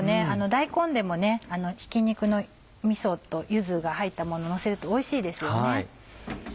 大根でもひき肉のみそと柚子が入ったもののせるとおいしいですよね。